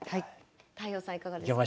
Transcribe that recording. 太陽さんいかがですか？